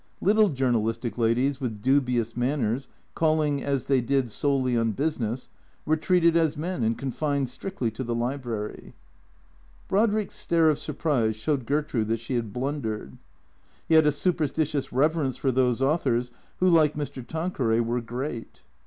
Little journalistic ladies with dubious manners, calling, as they did, solely on business, were treated as men and confined strictly to the library. Brodrick's stare of surprise showed Gertrude that she had blundered. He had a superstitious reverence for those authors who, like Mr. Tanqueray, were great.